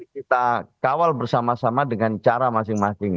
kita kawal bersama sama dengan cara masing masing